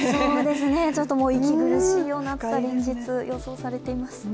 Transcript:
ちょっと息苦しいような暑さが連日予想されています。